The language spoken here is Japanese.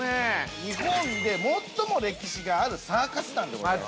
◆日本で最も歴史があるサーカス団でございます。